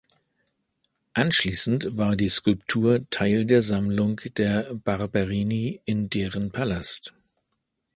Anschließend war die Skulptur Teil der Sammlung der Barberini in deren Palast.